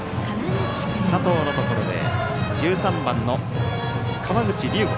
加藤のところで１３番の川口龍吾。